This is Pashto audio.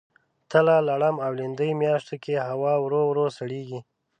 تله ، لړم او لیندۍ میاشتو کې هوا ورو ورو سړیږي.